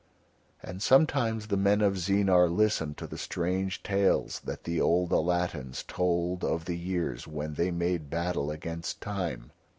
And sometimes the men of Zeenar listened to the strange tales that the old Alattans told of the years when they made battle against Time.